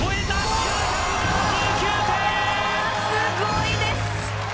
すごいです！